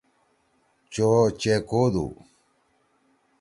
چو چے کودُو۔